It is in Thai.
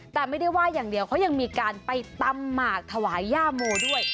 แต่ไม่ได้ว่าอย่างเดียวเขายังมีการไปตำหมากถวายย่าโมด้วย